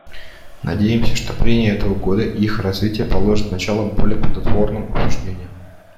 Надеемся, что прения этого года и их развитие положат начало более плодотворным обсуждениям.